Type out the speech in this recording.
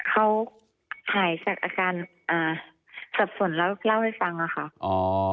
เขาหายจากอาการอ่าสับสนแล้วเล่าให้ฟังอะค่ะอ๋อ